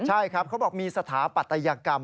ใช่ครับเขาบอกมีสถาปัตยกรรม